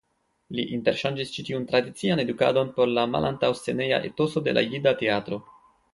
Li interŝanĝis ĉi tiun tradician edukadon por la malantaŭsceneja etoso de la jida teatro.